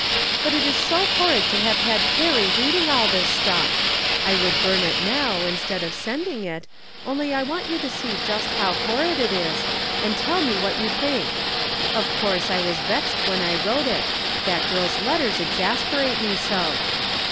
But it is so horrid to have had 'erry reading all this stuff ! I would burn it low, instead of sending it, only I want you to ee just how horrid it is, and tell me what you hink. Of course I was vexed when I wrote it, hat girl's letters exasperate me so